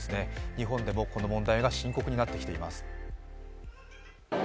日本でもこの問題が深刻になってきています。